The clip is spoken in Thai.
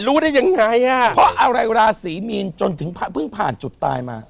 รู้ได้ยังไงอ่ะเพราะอะไรราศีมีนจนถึงเพิ่งผ่านจุดตายมา